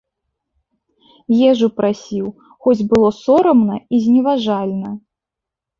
Ежу прасіў, хоць было сорамна і зневажальна.